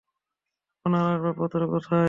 আপনার আসবাবপত্র কোথায়?